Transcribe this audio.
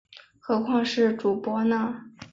何况是主簿呢？